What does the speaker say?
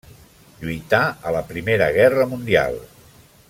Lluità a la Primera Guerra Mundial.